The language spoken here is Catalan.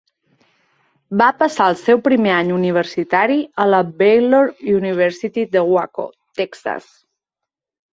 Va passar el seu primer any universitari a la Baylor University de Waco, Texas.